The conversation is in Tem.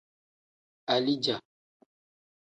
Alija.